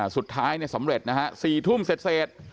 สุดท้ายสำเร็จนะฮะ๔ทุ่มเสร็จ